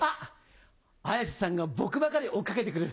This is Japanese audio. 綾瀬さんが僕ばかり追っ掛けて来る。